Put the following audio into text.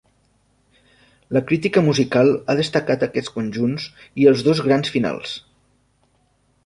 La crítica musical ha destacat aquests conjunts i els dos grans finals.